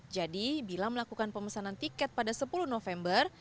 jadi bila melakukan pemesanan tiket pada sepuluh november